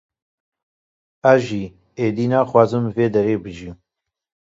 ez jî, êdî na xwazim li vêderê bijîm